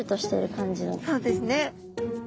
そうですね。